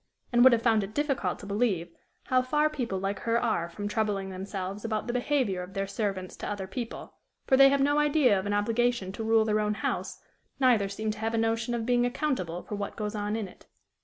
and would have found it difficult to believe how far people like her are from troubling themselves about the behavior of their servants to other people; for they have no idea of an obligation to rule their own house, neither seem to have a notion of being accountable for what goes on in it.